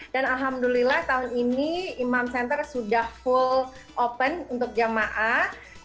dan alhamdulillah tahun ini imam center sudah full open untuk jamaah